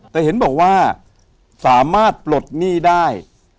แต่เห็นบอกว่าสามารถปลดหนี้ได้